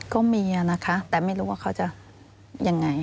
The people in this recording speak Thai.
ก็มีนะคะแต่ไม่รู้ว่าเขาจะยังไง